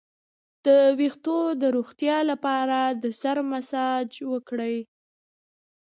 د ویښتو د روغتیا لپاره د سر مساج وکړئ